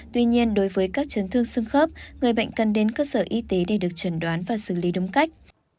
tuy nhiên đối với các chấn thương xương khớp người bệnh cần đến cơ sở y tế để được trần đoán và xử lý đúng cách